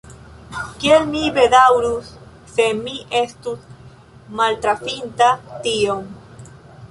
kiel mi bedaŭrus, se mi estus maltrafinta tion!